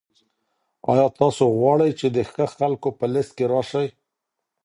آیا تاسو غواړئ چي د ښه خلکو په لیست کي راسئ؟